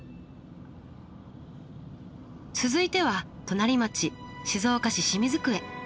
続いては隣町静岡市清水区へ。